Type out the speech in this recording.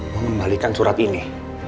mau membalikan surat ini